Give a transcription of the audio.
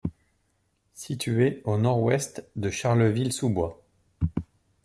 Situé au nord-ouest de Charleville-sous-Bois.